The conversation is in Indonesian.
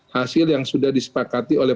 hasil yang sudah disepakati oleh